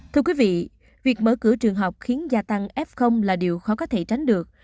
thưa quý vị việc mở cửa trường học khiến gia tăng f là điều khó có thể tránh được